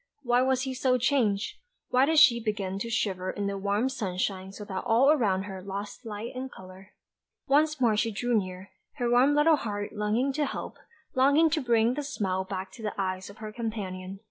Why was he so changed? Why did she begin to shiver in the warm sunshine so that all around her lost light and colour? Once more she drew near, her warm little heart longing to help, longing to bring the smile back to the eyes of her companion.